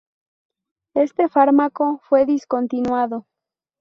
Este fármaco fue discontinuado.